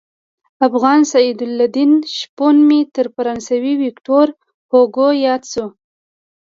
افغان سعدالدین شپون مې تر فرانسوي ویکتور هوګو ياد شو.